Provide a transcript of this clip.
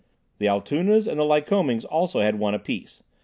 The Altoonas and the Lycomings also had one apiece.